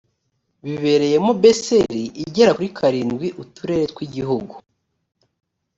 bibereyemo bcr igera kuri karindwi uturere tw igihugu